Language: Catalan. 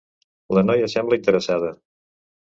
La noia sembla interessada.